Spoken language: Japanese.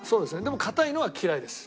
でも硬いのは嫌いです。